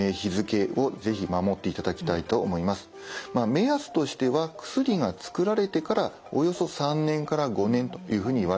目安としては薬が作られてからおよそ３年から５年というふうにいわれています。